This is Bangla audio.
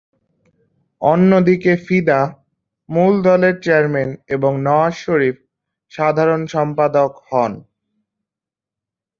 অন্যদিকে ফিদা মূল দলের চেয়ারম্যান এবং নওয়াজ শরীফ সাধারণ সম্পাদক হন।